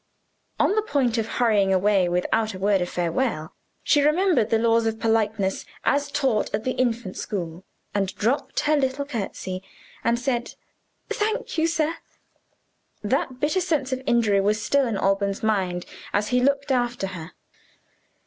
On the point of hurrying away, without a word of farewell, she remembered the laws of politeness as taught at the infant school and dropped her little curtsey and said, "Thank you, sir." That bitter sense of injury was still in Alban's mind as he looked after her.